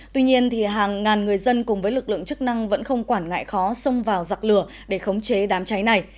tuy nhiên hàng ngàn người dân cùng với lực lượng chức năng vẫn không quản ngại khó xông vào giặc lửa để khống chế đám cháy này